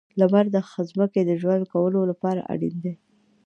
• لمر د ځمکې د ژوند کولو لپاره اړین دی.